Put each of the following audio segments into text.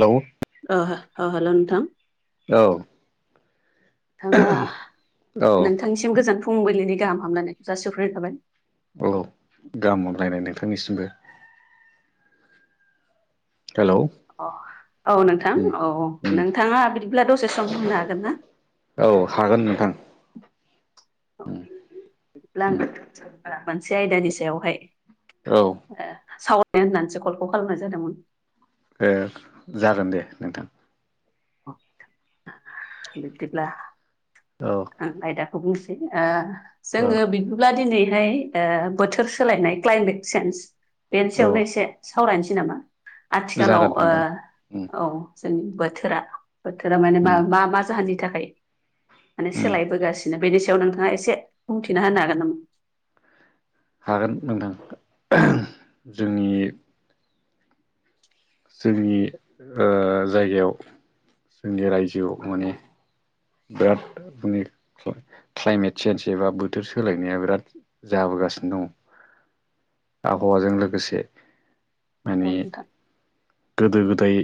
Hello औ हो औ हेलौ नोंथां औ नोंथाङा औ नोंथांनिसिम गोजान फुंबिलिनि गाहाम हामलायनायखौ जासि हरग्रोनाय थाबाय औ गाहाम हामलायनाय नोंथांनिसिमबो हेलौ औ नोंथां उम औ उम नोंथाङा बिदिब्ला दसे सम होनो हागोन ना औ हागोन नोंथां औ उम बिदिब्ला आं उम नोंथांजोंनो मोनसे आयदानि सायावहाय औ सावरानो होननानैसो कलखौ खालामनाय जादोंमोन जागोन दे नोंथां बिदिब्ला औ आयदाखौ बुंसै ओ औ जोङो ब्ला दिनैहाय बोथोर सोलायनाय क्लाइमेट चेन्ज बेनि औ सायावनो एसे सावरायनोसै नामा आथिखालाव जागोन ओ नोंथां उम औ जोंनि बोथोरा बोथोरा माने मा उम मा मा जाहोननि थाखाय माने उम सोलायबोगासिनो बेनि सायाव नोंथाङा एसे बुंथिना होनो हागोन नामा? हागोन नोंथां जोंनि जोंनि जायगायाव जोंनि रायजोआव माने बिराद माने क्लाइमेट सेन्ज एबा बोथोर सोलायनाया बिराद जाबोगासिनो दङ आबहावाजों लोगोसे औ माने नोंथां गोदो गोदाय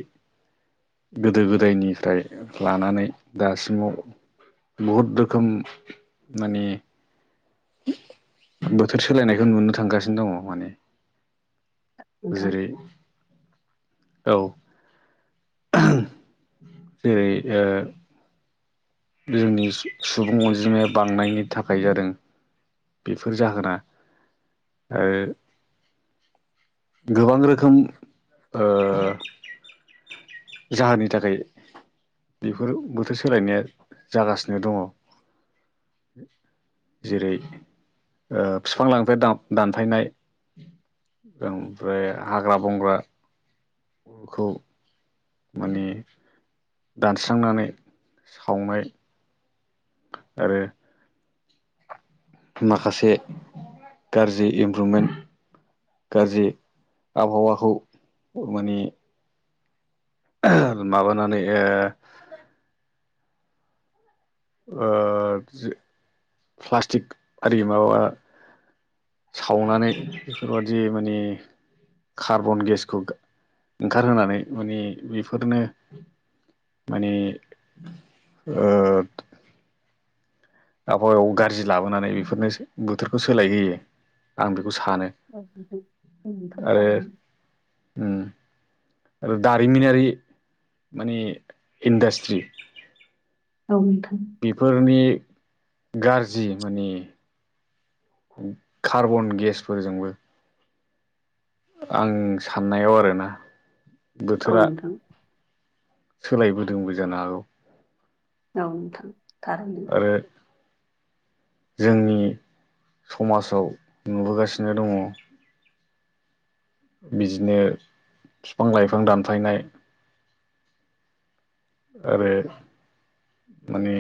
गोदो गोदायनिफ्राय लानानै दासिमाव बहुद रोखोम माने बोथोर सोलायनायखौ नुनो थांगासिनो दङ माने नोंथां जेरै औ जेरै ओ जोंनि सुबुं अनजिमाया बांनायनि थाखाय जादों। बेफोर जाहोना आरो ओ गोबां रोखोम जाहोननि थाखाय बेफोर बोथोर सोलायनाया जागासिनो दङ। जेरै फिफां-लाइफां दानफायनाय ओमफ्राय हाग्रा-बंग्राखौ माने दानस्रांनानै सावनाया आरो माखासे गाज्रि इमप्रुभमेन्ट गाज्रि आबहावाखौ मानि माबानानै ओ ओ प्लास्टिक आरि माबा सावनानै बेफोरबादि माने कार्बन गेसखौ ओंखारहोनानै माने बेफोरनो माने ओ आबहावाया गाज्रि लाबोनानै बेफोरनो बोथोरखौ सोलायहोयो आं बेखौ सानो। [unintelligible] ओम उम आरो दारिमिनारि माने इन्डास्ट्रि औ नोंथां। बेफोरनि गाज्रि माने कार्बन गेसफोरजोंबो आं साननायाव आरोना औ बोथोरा नोंथां सोलायबोदोंबो जानो हागौ। औ नोंथां थारैनो। आरो जोंनि समाजाव नुबोगासिनो दङ। बिदिनो फिफां लाइफां दानफायनायो आरो माने।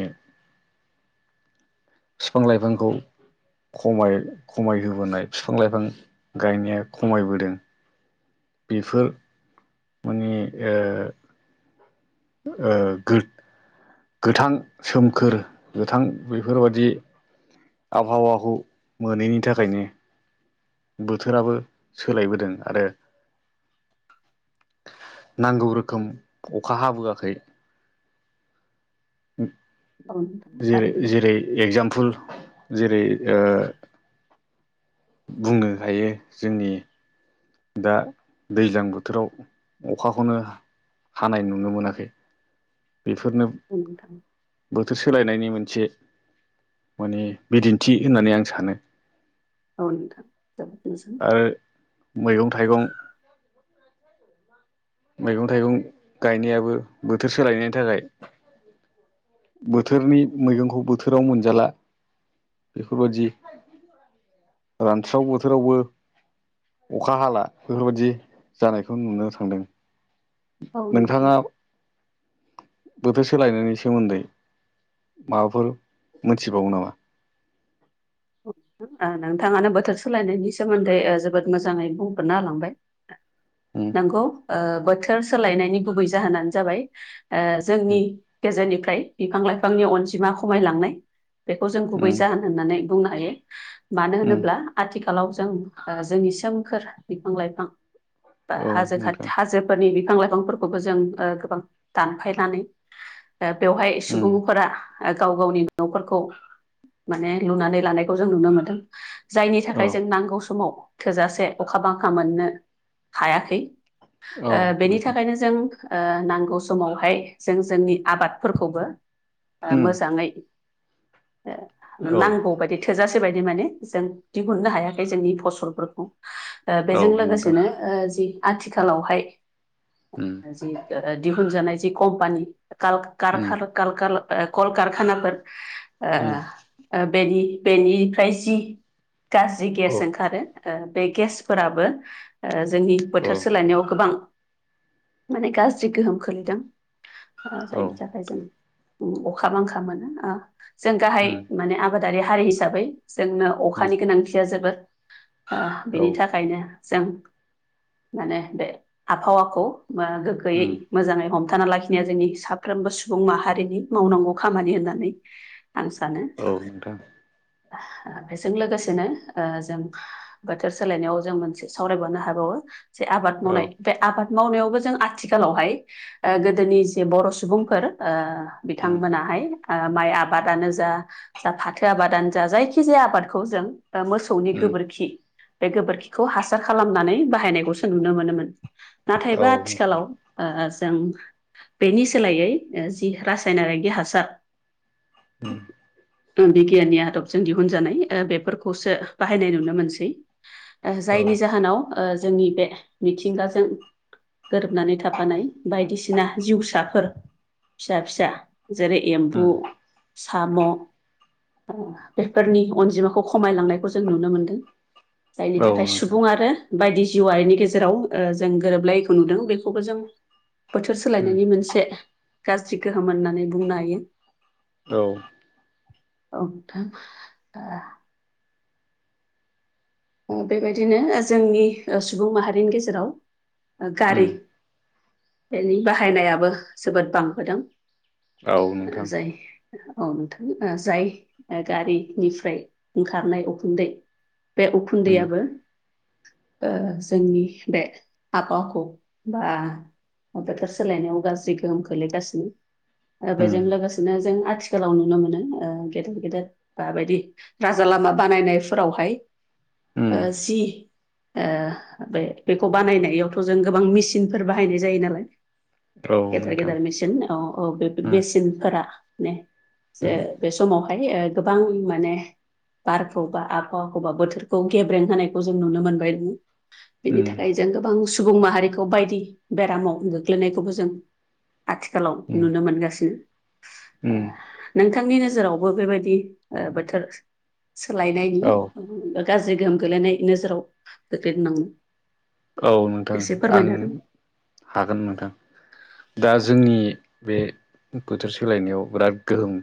बिफां-लाइफांखौ खमाय खमायहोबोनाय बिफां लाइफां गायनाया खमायबोदों। बेफोर माने ओ ओ गोद गोथां सोमखोर गोथां बेफोरबादि ओ आबहावाखौ मोनैनि थाखायनो बोथोराबो सोलायबोदों आरो नांगौ रोखोम अखा हाबोआखै। औ नोंथां [inaudible] जैरै थारैनो जेरै एगजामपोल जेरै ओ बुंनो हायो जोंनि दा दैज्लां बोथोराव अखाखौनो हानाय नुनो मोनाखै। बेफोरनोओ औ नोंथां। बोथोर सोलायनायनि मोनसे माने बिदिन्थि होननानै आं सानो औ नोंथां दा बिदिनोसै मैगं-थाइगं मैगं-थाइगं गायनायाबो बोथोर सोलायनायनि थाखाय। बोथोरनि मैगंखौ बोथोराव मोनजाला बेफोरबादि रानस्राव बोथोरावबो अखा हाला बेफोरबायदि जानायखौ नुनो थांदों औ नोंथां नोंथाङा बोथोर सोलायनायनि सोमोन्दै माबाफोर मोनथिबावो नामा नोंथाङानो बोथोर सोलायनायनि सोमोन्दै ओ जोबोद मोजाङै बुंफुरना होलांबाय उम नंगौ ओ बोथोर सोलायनायनि गुबै जाहोनानो जाबाय ओ जोंनि गेजेरनिफ्राय बिफां लाइफांनि अनजिमा खमायलांनाय बेखौ जों गुबै उम जाहोन होननानै बुंनो हायो मानो उम होनोब्ला आथिखाल खालाव जों जोंनि सोमखोर बिफां लाइफां बा औ हाजो खा नोंथां हाजो फोरनि बिफां लाइफांफोरखौबो जों ओ गोबां दानफायनानै ओ बेवहाय उम सुबुंफोरा गाव गावनि न'फोरखौ माने लुनानै लानायखौ जों नुनो मोनदों जायनि औ थाखाय जों नांगौ समाव थोजासे अखा बांखा मोननो हायाखै औ ओ बेनि नोंथां थाखायनो जों ओ नांगौ समावहाय जों जोंनि आबादफोरखौबो ओ उम मोजाङै ओ औ नांगौबाय थोजासे बायदि माने जों दिहुननो हायाखै जोंनि फसलफोरखौ औ बेजों नोंथां लोगोसेनो ओ जि आथिखालावहाय ओम जि दिहुन जानाय जि कम्पानि काल उम कारखाना कल कारखानाफोर ओ उम ओ बेनि बेनिफ्राय जि गाज्रि गेस औ ओंखारो ओ बे गेसफोराबो जोंनि बोथोर औ सोलायनायाव गोबां माने गाज्रि गोहोम खोलैदों ओ औ नोंथां जायनि थाखाय जों अखा बांखा मोनो जों गाहाय उम माने आबादारि हारि हिसाबै जोंनो उम अखानि गोनांथिया जोबोद औ बेनि थाखायनो। जों माने बे आबहावाखौ ओ गोग्गोयै उम मोजाङै हमथाना लाखिनाया जोंनि साफ्रोमबो सुबुं माहारिनि मावनांगौ खामानि होननानै आं सानो। औ नोंथां। बेजों लोगोसेनो ओ जों बोथोर सोलायनायाव जों मोनसे सावरायबावनो हाबावो जे आबाद औ मावनाय। बे आबाद मावनायावबो जों आथिखालावहाय ओ गोदोनि जे बर' सुबुंफोर ओ उम बिथांमोनाहाय ओ माइ आबादानो जा जा फाथो आबादानो जा जायखि जाया आबादखौ जों मोसौनि उम गोबोरखि बे गोबोरखिखौ हासार खालामनानै बाहायनायखौसो नुनो मोनोमोन। नाथायबा औ आथिखालाव नोंथां ओ जों बेनि सोलायै जि रासायनारि हासार। उम। बिगियाननि आदबजों दिहुनजानाय बेफोरखौसो बाहायनाय नुनो मोनसै। जायनि जाहोनाव ओ जोंनि बे मिथिंगाजों गोरोबनानै थाफानाय बायदिसिना जिउसाफोर फिसा फिसा जरै एमबु साम' मोनो। बेफोरनि अनजिमाखौ खमायलांनायखौ जों नुनो मोनदों जायनि थाखाय सुबुं आरो बायदि जिउआरनि गेजेराव जों गोरोबलायखौ नुदों बेखौबो जों बोथोर उम सोलायनायनि मोनसे गाज्रि गोहोम होननानै बुंनो हायो। औ। औ नोंथां। ओ बेबायदिनो जोंनि सुबुं माहारिनि गेजेराव गारि उम बेनि बाहायनायाबो जोबोद बांबोदों। औ नोंथां उम औ उम औ नोंथां जाय औ नोंथां जाय गारिनिफ्राय ओंखारनाय उखुनदै। बे उम उखुनदैयाबो ओ जोंनि बे आाबहावाखौ बा बोथोर सोलायनायाव गाज्रि गोहोम खोलैगासिनो। उम बेजों लोगोसेनो जों आथिखालाव नुनो मोनो ओ गेदेर गेदेर बेबायदि राजा लामा बानायनायफोरावहाय ओ उम जि ओ बे बेखौ बानायनायावथ' जों गोबां मेसिनफोर बाहायनाय जायो नालाय। औ गेदेर नोंथां गेदेर मेचिन औ औ बे उम मेसिनफोरा माने उम जे बे समावहाय गोबां माने बारखौ बा आबहावाखौ बा बोथोरखौ खौ गेब्रें होनायखौ जों नुनो मोनबाय। बेनि उम थाखाय जों गोबां सुबुं माहारिखौ बायदि बेरामाव गोग्लैनायखौबो जों आथिखालाव उम नुनो मोनगासिनो। उम नोंथांनि नोजोरावबो बेबायदि ओ बोथोर औ सोलायनायनि गाज्रि गोहोम गोलैनाय नोजोराव गोग्लै नाङो औ नोंथां आं हागोन नोंथां। दा जोंनि बे बोथोर सोलायनायाव बिराद गोहोम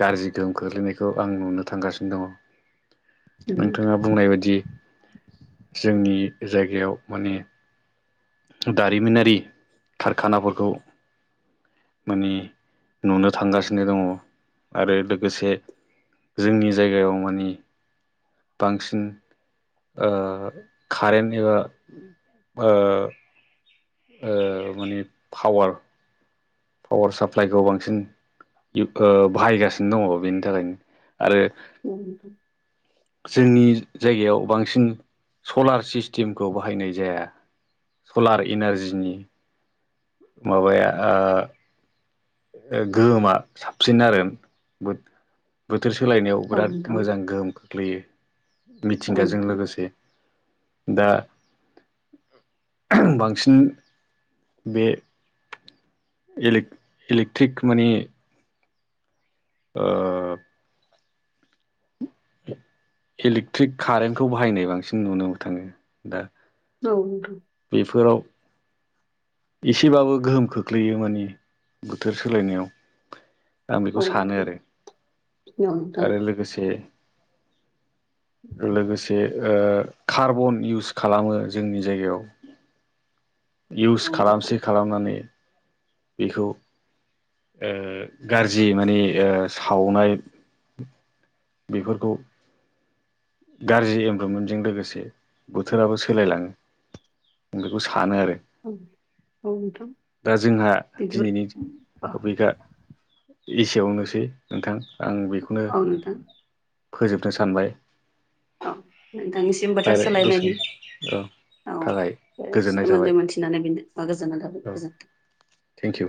गाज्रि गोहोम खोख्लैनायखौ आं नुनो थांगासिनो दङ। नोंथाङा बुंनाय बायदि जोंनि जायगायाव माने दारिमिनारि खारखानाफोरखौ माने नुनो थांगासिनो दङ आरो लोगोसे जोंनि जायगायाव माने बांसिन ओ कारेन्ट एबा ओ ओ माने पावार पावार साप्लाइखौ बांसिन ओ बाहायगासिनो दङ बेनि थाखायनो आरो [inaudible] जोंनि जायगायाव बांसिन सलार सिस्टेमखौ बाहायनाय जाया सलार इनारजिनि माबाया ओ गोहोमा साबसिन आरो बोथोर सोलायनायाव औ बिराद नोंथां मोजां गोहोम खोख्लैयो। औ नोंथां औ मिथिंगाजों नोंथां लोगोसे दा बांसिन बे इले इलेकट्रिक माने ओ इलेक्ट्रिक कारेन्टखौ बाहायनाय बांसिन नुनो मोनो थाङो दा औ बेफोराव एसेबाबो गोहोम खोख्लैयो माने बोथोर सोलायनायाव। आं बेखौ औ सानो नोंथां आरो औ नोंथां आरो लोगोसे लोगोसे ओ कार्बन इउस खालामो जोंनि जायगायाव। इउस औ नोंथां खालामसे खालामनानै बेखौ ओ गाज्रि माने ओ सावनाय बेफोरखौ गाज्रि एनभारमेन्टजों लोगोसे बोथोराबो सोलायलाङो। आं बेखौ सानो आरो। औ औ नोंथां दा जोंहा बिदिफोर दिनैनि औ टपिकआ एसेयावनोसै नोंथां आं बेखौनो औ नोंथां फोजोबनो सानबाय। औ नोंथांनिसिम बोथोर आरो दसे सोलायनायनि औ थाखाय औ गोजोननाय थाबाय सोन्दै मोनथिनानै बेनो बा गोजोननाय थाबाय गोजोनथों। Thank you